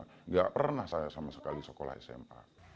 tidak pernah saya sama sekali sekolah sma